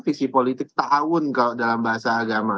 visi politik tahun dalam bahasa agama